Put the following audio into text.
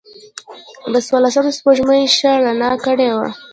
د څوارلسمم سپوږمۍ ښه رڼا کړې وه.